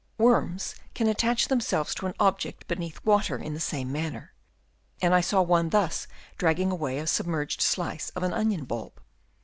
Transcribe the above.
Worms can attach themselves to an object beneath water in the same manner ; and I saw one thus dragging away a submerged slice of an onion bulb.